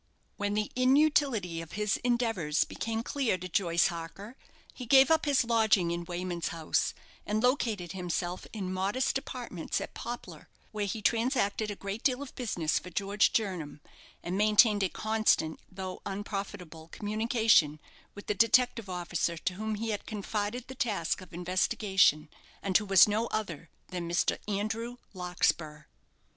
When the inutility of his endeavours became clear to Joyce Harker, he gave up his lodging in Wayman's house, and located himself in modest apartments at Poplar, where he transacted a great deal of business for George Jernam, and maintained a constant, though unprofitable, communication with the detective officer to whom he had confided the task of investigation, and who was no other than Mr. Andrew Larkspur.